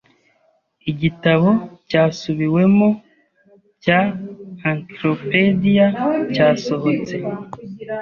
Igitabo cyasubiwemo cya encyclopedia cyasohotse.